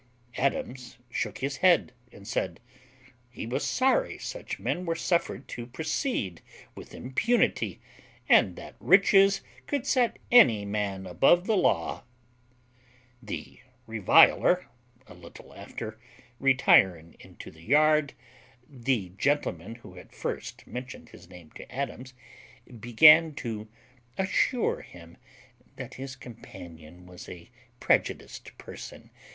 Adams shook his head, and said, "He was sorry such men were suffered to proceed with impunity, and that riches could set any man above the law." The reviler, a little after, retiring into the yard, the gentleman who had first mentioned his name to Adams began to assure him "that his companion was a prejudiced person.